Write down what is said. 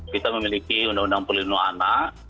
kita memiliki undang undang pelindung anak